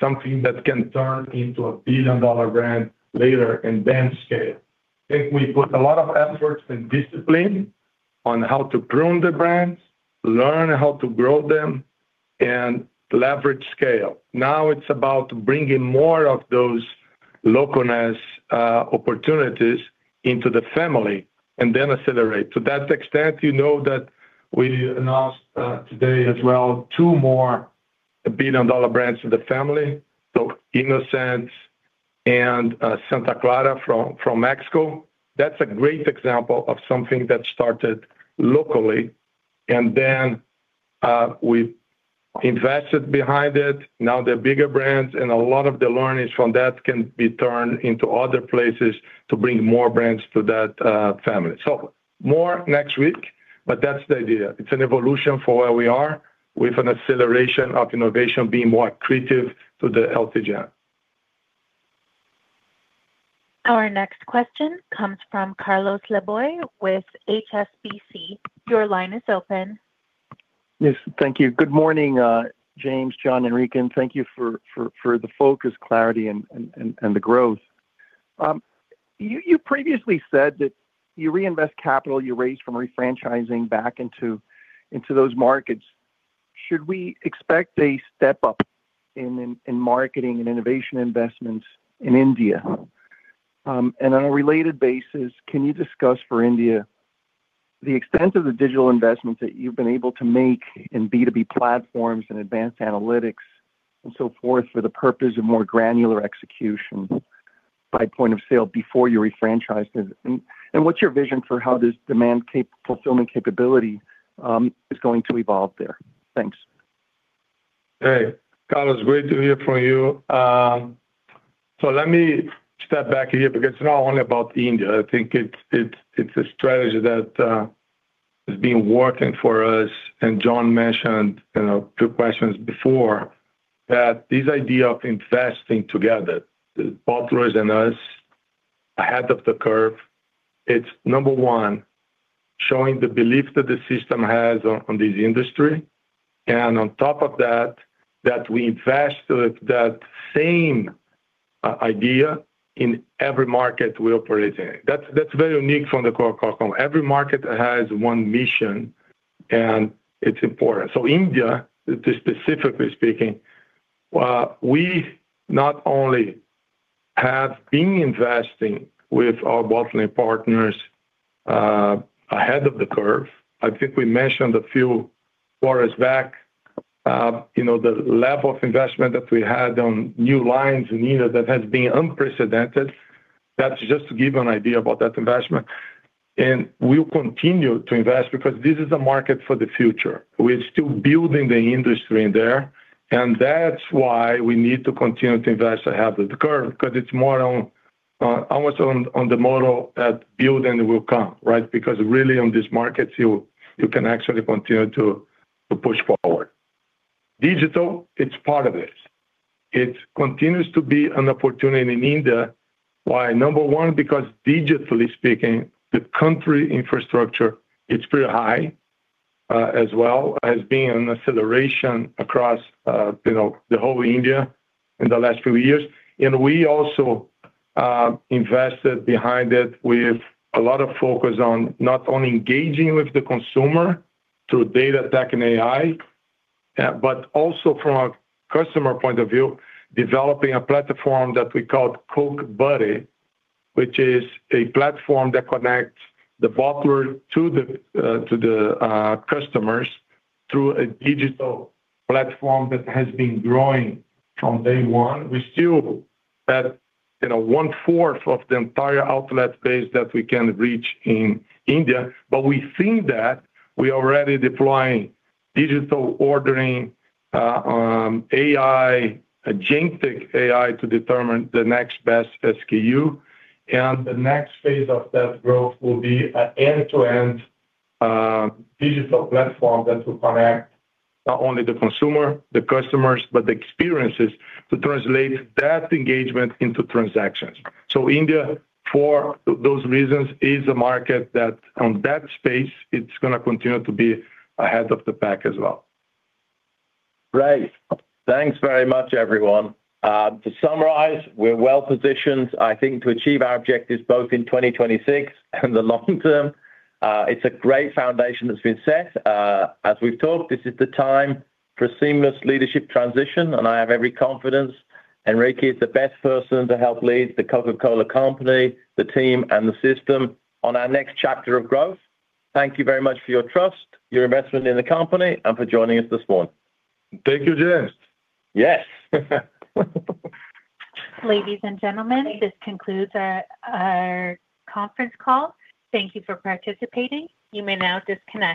something that can turn into a billion-dollar brand later and then scale. I think we put a lot of efforts and discipline on how to prune the brands, learn how to grow them, and leverage scale. Now it's about bringing more of those localness opportunities into the family and then accelerate. To that extent, you know that we announced, today as well, two more billion-dollar brands to the family. So Innocent and, Santa Clara from, from Mexico. That's a great example of something that started locally, and then, we invested behind it. Now they're bigger brands, and a lot of the learnings from that can be turned into other places to bring more brands to that, family. So more next week, but that's the idea. It's an evolution for where we are, with an acceleration of innovation being more accretive to the LTGM. Our next question comes from Carlos Laboy, with HSBC. Your line is open. Yes. Thank you. Good morning, James, John, Henrique, and thank you for the focus, clarity, and the growth. You previously said that you reinvest capital you raised from refranchising back into those markets. Should we expect a step-up in marketing and innovation investments in India? And on a related basis, can you discuss for India the extent of the digital investments that you've been able to make in B2B platforms and advanced analytics and so forth, for the purpose of more granular execution by point of sale before you refranchise it? And what's your vision for how this demand capture fulfillment capability is going to evolve there? Thanks. Hey, Carlos, great to hear from you. So let me step back here because it's not only about India. I think it's a strategy that has been working for us, and John mentioned, you know, two questions before, that this idea of investing together, bottlers and us, ahead of the curve, it's number one, showing the belief that the system has on this industry, and on top of that, that we invest with that same idea in every market we operate in. That's very unique from the Coca-Cola Company. Every market has one mission, and it's important. So India, specifically speaking, we not only have been investing with our bottler partners ahead of the curve. I think we mentioned a few quarters back, you know, the level of investment that we had on new lines in India, that has been unprecedented. That's just to give you an idea about that investment, and we'll continue to invest because this is a market for the future. We're still building the industry in there, and that's why we need to continue to invest ahead of the curve, because it's more on, almost on, on the model that build and will come, right? Because really, on this market, you, you can actually continue to, to push forward. Digital, it's part of this. It continues to be an opportunity in India. Why? Number one, because digitally speaking, the country infrastructure is pretty high, as well as being an acceleration across, you know, the whole India in the last few years. We also invested behind it with a lot of focus on not only engaging with the consumer through data, tech, and AI, but also from a customer point of view, developing a platform that we call Coke Buddy, which is a platform that connects the bottler to the customers through a digital platform that has been growing from day one. We still have, you know, one-fourth of the entire outlet base that we can reach in India, but we've seen that we're already deploying digital ordering, AI, generative AI, to determine the next best SKU, and the next phase of that growth will be an end-to-end digital platform that will connect not only the consumer, the customers, but the experiences to translate that engagement into transactions. India, for those reasons, is a market that, on that space, it's gonna continue to be ahead of the pack as well. Great. Thanks very much, everyone. To summarize, we're well positioned, I think, to achieve our objectives both in 2026 and the long term. It's a great foundation that's been set. As we've talked, this is the time for a seamless leadership transition, and I have every confidence Henrique is the best person to help lead The Coca-Cola Company, the team, and the system on our next chapter of growth. Thank you very much for your trust, your investment in the company, and for joining us this morning. Thank you, James. Yes. Ladies and gentlemen, this concludes our conference call. Thank you for participating. You may now disconnect.